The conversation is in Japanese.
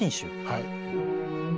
はい。